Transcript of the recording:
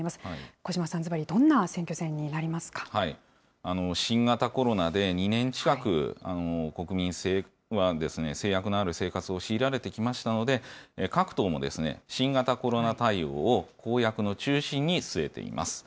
小嶋さん、ずばり、どんな選挙戦新型コロナで２年近く、国民は制約のある生活を強いられてきましたので、各党も新型コロナ対応を公約の中心に据えています。